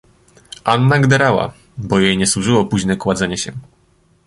"Anna gderała, bo jej nie służyło późne kładzenie się."